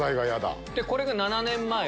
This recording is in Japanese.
これが７年前で。